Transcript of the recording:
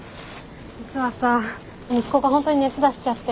実はさ息子が本当に熱出しちゃって。